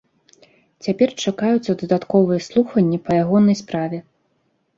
Цяпер чакаюцца дадатковыя слуханні па ягонай справе.